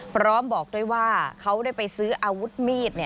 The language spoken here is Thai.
พร้อมบอกด้วยว่าเขาได้ไปซื้ออาวุธมีด